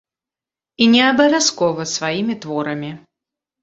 І не абавязкова сваімі творамі.